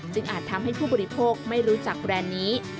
อาจทำให้ผู้บริโภคไม่รู้จักแบรนด์นี้